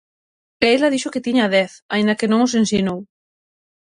E ela dixo que tiña dez, aínda que non os ensinou.